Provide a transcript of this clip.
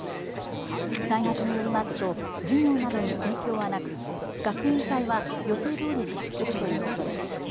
大学によりますと授業などに影響はなく、学園祭は予定どおり実施するということです。